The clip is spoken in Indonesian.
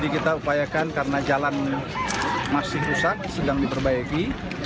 kita upayakan karena jalan masih rusak sedang diperbaiki